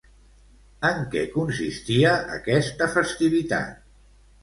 En què consistia aquesta festivitat?